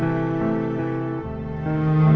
mereka makan makanan